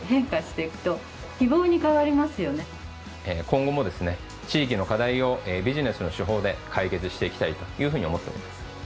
今後もですね地域の課題をビジネスの手法で解決していきたいというふうに思っております。